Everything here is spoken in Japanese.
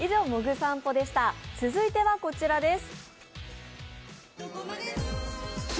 続いてはこちらです。